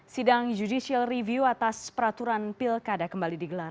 sidang judicial review atas peraturan pilkada kembali digelar